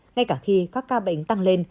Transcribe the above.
ngay cả khi các ca bệnh tăng lên